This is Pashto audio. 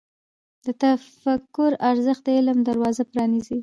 د تفکر ارزښت د علم دروازه پرانیزي.